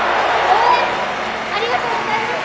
応援ありがとうございます！